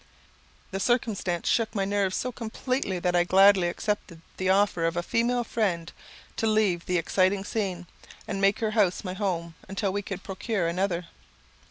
This circumstance shook my nerves so completely that I gladly accepted the offer of a female friend to leave the exciting scene, and make her house my home until we could procure another.